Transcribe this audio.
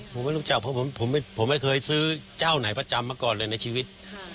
ผมไม่รู้จักเพราะผมไม่เคยซื้อเจ้าไหนประจำมาก่อนเลยในชีวิต